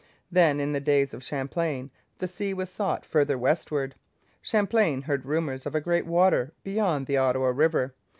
Then, in the days of Champlain, the sea was sought farther westward. Champlain heard rumours of a great water beyond the Ottawa river.